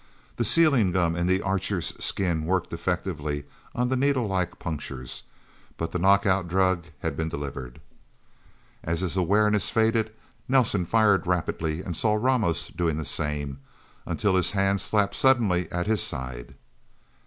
The sealing gum in the Archer's skin worked effectively on the needle like punctures, but the knockout drug had been delivered. As his awareness faded, Nelsen fired rapidly, and saw Ramos doing the same until his hand slapped suddenly at his side...